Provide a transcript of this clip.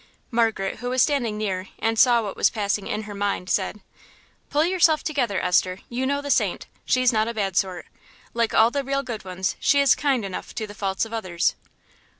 Margaret, who was standing near and saw what was passing in her mind, said "Pull yourself together, Esther. You know the Saint she's not a bad sort. Like all the real good ones, she is kind enough to the faults of others."